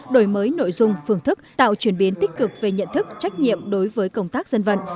đổi mới nội dung phương thức tạo chuyển biến tích cực về nhận thức trách nhiệm đối với công tác dân vận